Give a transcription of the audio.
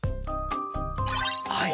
はい。